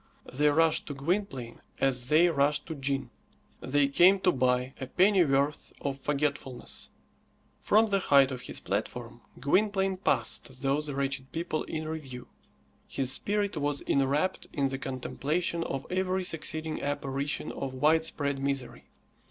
They rushed to Gwynplaine as they rushed to gin. They came to buy a pennyworth of forgetfulness. From the height of his platform Gwynplaine passed those wretched people in review. His spirit was enwrapt in the contemplation of every succeeding apparition of widespread misery.